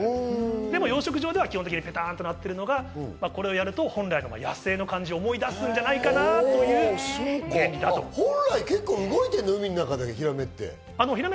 養殖場では基本的にペタンとなってる、これをやると、本来の野生の感じを思い出すんじゃないかなという原理。